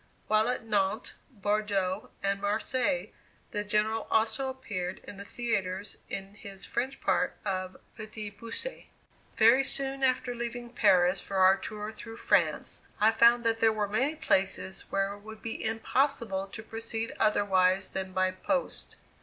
While at Nantes, Bordeaux and Marseilles the General also appeared in the theatres in his French part of "Petit Poucet." Very soon after leaving Paris for our tour through France, I found that there were many places where it would be impossible to proceed otherwise than by post.